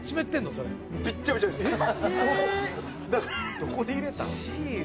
どこで入れたん？